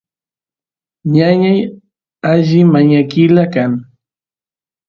ñañay alli mañakilu kan